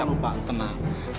tenang dulu pak tenang